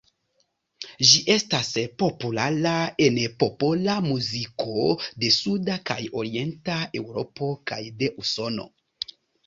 Ĝi estas populara en popola muziko de suda kaj orienta Eŭropo kaj de Usono.